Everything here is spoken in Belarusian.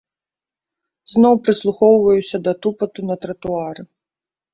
Зноў прыслухоўваюся да тупату на тратуары.